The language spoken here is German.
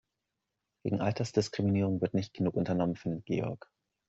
Gegen Altersdiskriminierung wird nicht genug unternommen, findet Georg.